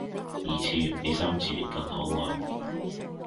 二次元比三次元更可愛